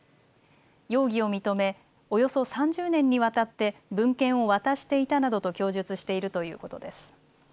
容疑を認め、およそ３０年にわたって文献を渡していたなどと供述しているということです。